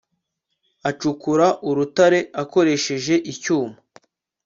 acukura urutare akoresheje icyuma